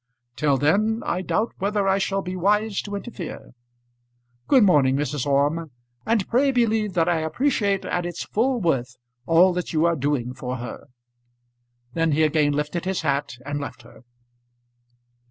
Till then I doubt whether I shall be wise to interfere. Good morning, Mrs. Orme; and pray believe that I appreciate at its full worth all that you are doing for her." Then he again lifted his hat and left her.